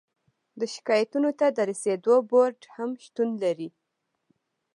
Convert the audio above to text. د شکایاتو ته د رسیدو بورد هم شتون لري.